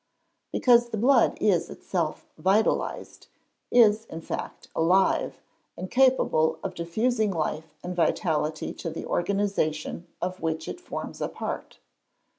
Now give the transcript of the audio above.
_ Because the blood is itself vitalised is, in fact, alive, and capable of diffusing life and vitality to the organisation of which it forms a part.